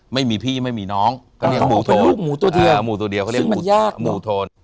ไม่มีพี่ไม่มีน้องก็เรียกหมู่โทนอ่าหมู่ตัวเดียวอ่าหมู่ตัวเดียว